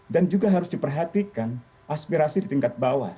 dan juga harus diperhatikan aspirasi di tingkat bawah